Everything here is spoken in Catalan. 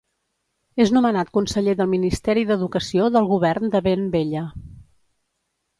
És nomenat conseller del Ministeri d'Educació del govern de Ben Bella.